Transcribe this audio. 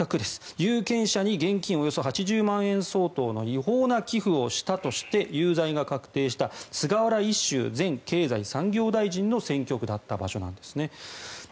有権者に現金およそ８０万円相当の違法な寄付をしたとして有罪が確定した菅原一秀前経済産業大臣の選挙区だった場所なんですね。